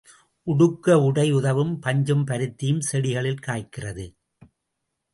உடுக்க உடை உதவும் பஞ்சும் பருத்தியும் செடிகளில் காய்க்கிறது.